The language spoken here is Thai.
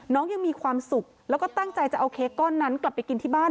ยังมีความสุขแล้วก็ตั้งใจจะเอาเค้กก้อนนั้นกลับไปกินที่บ้าน